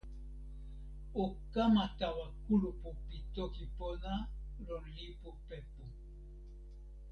o kama tawa kulupu pi toki pona lon lipu Pepu.